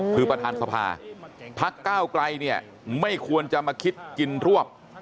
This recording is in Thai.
คือประธานสภาพักก้าวไกลเนี่ยไม่ควรจะมาคิดกินรวบ